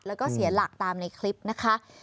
แล้วก็เสียหลักตามในคลิปนะคะ